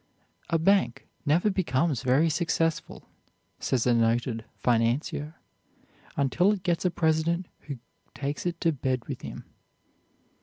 "A bank never becomes very successful," says a noted financier, "until it gets a president who takes it to bed with him."